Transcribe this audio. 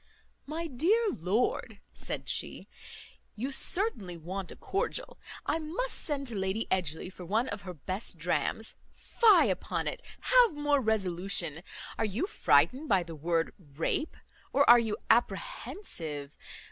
"My dear lord," said she, "you certainly want a cordial. I must send to Lady Edgely for one of her best drams. Fie upon it! have more resolution. Are you frightened by the word rape? Or are you apprehensive